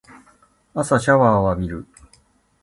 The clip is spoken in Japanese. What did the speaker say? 朝シャワーを浴びる